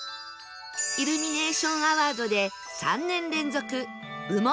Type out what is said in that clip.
イルミネーションアワードで３年連続部門